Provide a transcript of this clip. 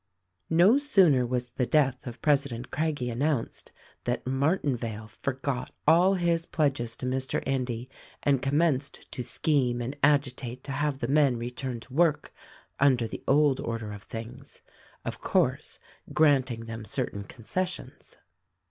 No sooner was the death of President Craggie announced than Martinvale forgot all his pledges to Mr. Endy and com menced to scheme and agitate to have the men return to work under the old order of things — of course, granting them certain concessions.